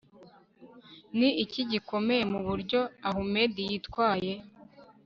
ni iki gikomeye mu buryo ahumed yitwaye